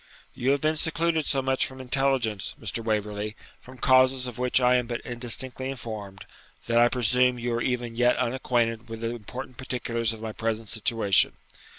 'You have been secluded so much from intelligence, Mr. Waverley, from causes of which I am but indistinctly informed, that I presume you are even yet unacquainted with the important particulars of my present situation.